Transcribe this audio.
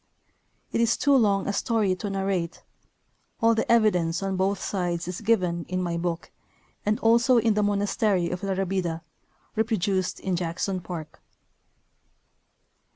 It is too long a story to narrate ; all the evidence on both sides is given in my book and also in the monastery of La Rabida, reproduced in Jackson Park.